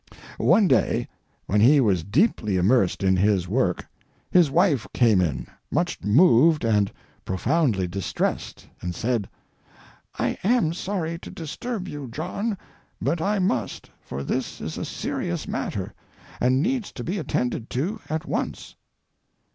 One day, when he was deeply immersed in his work, his wife came in, much moved and profoundly distressed, and said: "I am sorry to disturb you, John, but I must, for this is a serious matter, and needs to be attended to at once."